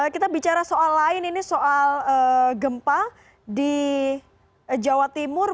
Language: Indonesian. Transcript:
kita bicara soal lain ini soal gempa di jawa timur